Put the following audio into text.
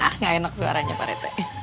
ah gak enak suaranya pak rt